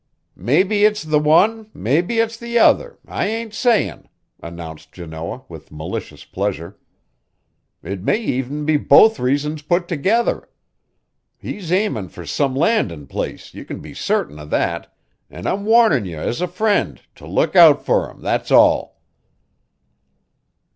"Mebbe it's the one, mebbe it's the other; I ain't sayin'," announced Janoah with malicious pleasure. "It may even be both reasons put together. He's aimin' fur some landin' place, you can be certain of that, an' I'm warnin yer as a friend to look out fur him, that's all."